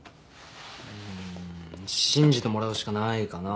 うん信じてもらうしかないかな。